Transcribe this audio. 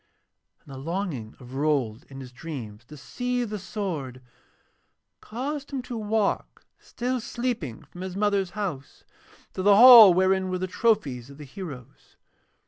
And the longing of Rold in his dreams to see the sword caused him to walk still sleeping from his mother's house to the hall wherein were the trophies of the heroes.